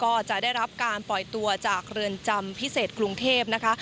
ก็จะได้รับการปล่อยตัวจากเรือนจำพิเศษกรุงเทพนะคะ